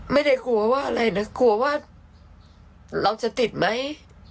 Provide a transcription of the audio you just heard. ไม่ได้กลัวว่าอะไรนะกลัวว่าเราจะติดไหม